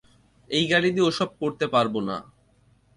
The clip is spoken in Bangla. এই গাড়ি দিয়ে ওসব করতে পারবো না।